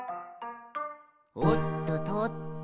「おっととっと」